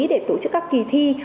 để tổ chức các kỳ thi